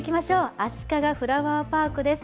あしかがフラワーパークです。